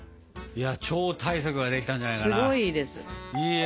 超大作ができたんじゃないかな。